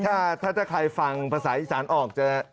ถ้าใครฟังภาษาอีสานออกจะ